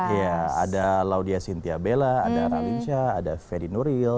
iya ada laudia sintiabela ada ralinsya ada fedy nuril